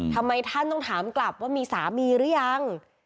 ทำไมท่านต้องถามกลับว่ามีสามีหรือยัง